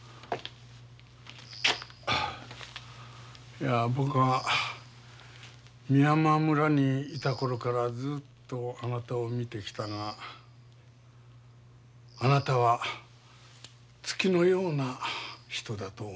いや僕は美山村にいた頃からずっとあなたを見てきたがあなたは月のような人だと思うよ。